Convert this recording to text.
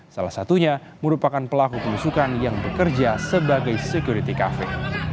salah satunya merupakan pelaku penusukan yang bekerja sebagai security cafe